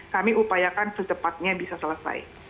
kami upayakan secepatnya bisa selesai